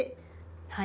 はい。